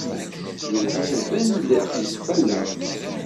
Yuba iban-d yetqelleq.